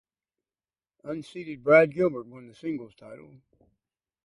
Unseeded Brad Gilbert won the singles title.